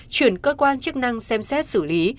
chuyển cơ quan chức năng xem xét xử lý